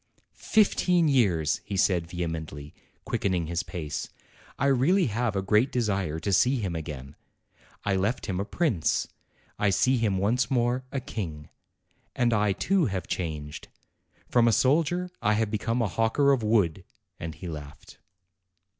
"Fifteen years!" he said vehemently, quickening his pace. "I really have a great desire to see him again. I left him a prince; I see him once more, a king. And I, too, have changed. From a soldier I have become a hawker of wood." And he laughed.